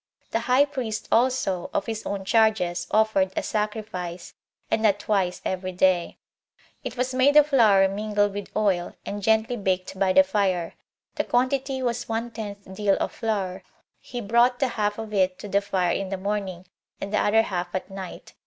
The high priest also, of his own charges, offered a sacrifice, and that twice every day. It was made of flour mingled with oil, and gently baked by the fire; the quantity was one tenth deal of flour; he brought the half of it to the fire in the morning, and the other half at night.